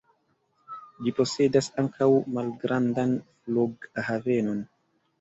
Ĝi posedas ankaŭ malgrandan flughavenon.